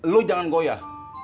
lu jangan goyah